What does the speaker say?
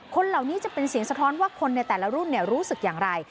คนเหล่านี้จะเป็นเสียงสะท้อนว่าคนในแต่ละรุ่นรู้สึกอย่างไร